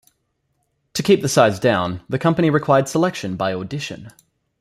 To keep the size down, the company required selection by audition.